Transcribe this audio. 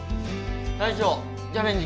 大将チャレンジ